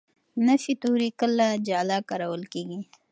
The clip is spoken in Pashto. نفي توري کله جلا کارول کېږي.